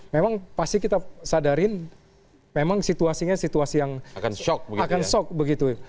memang pasti kita sadarin memang situasinya situasi yang akan sok begitu